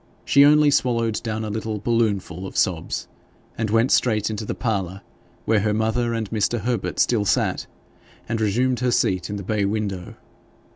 She only swallowed down a little balloonful of sobs, and went straight into the parlour, where her mother and Mr. Herbert still sat, and resumed her seat in the bay window.